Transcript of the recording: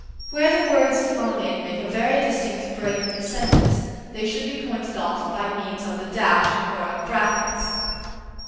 Where the words thrown in make a very distinct break in the sentence, they should be pointed off by means of the dash or of brackets.